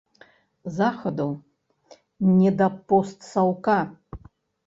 Захаду не да постсаўка.